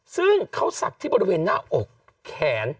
ซึ่งเค้าสักที่บริเวณหน้าอกแขน